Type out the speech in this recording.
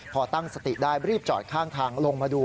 พอตั้งสติได้รีบจอดข้างทางลงมาดู